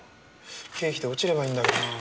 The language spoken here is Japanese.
経費で落ちればいいんだけどな。